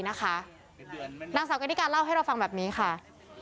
นางสาวกันนิกาเล่าให้เราฟังแบบนี้ค่ะ